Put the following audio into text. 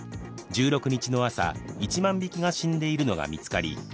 １６日の朝、１万匹が死んでいるのが見つかり